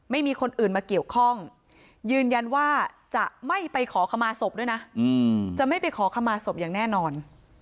ไม่มีคนอื่นมาเกี่ยวข้องยืนยันว่าจะไม่ไปขอขมาศพด้วยนะจะไม่ไปขอขมาศพอย่างแน่นอน